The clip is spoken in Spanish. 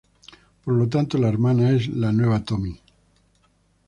Por lo tanto, la hermana es la nueva Tomie.